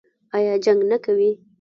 ایا جنګ نه کوي؟